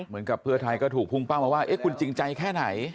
เหมือนกับเพื่อไทยก็ถูกพุ่งเป้ามาว่าคุณจริงใจแค่ไหน